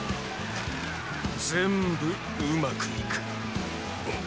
全部上手くいく。！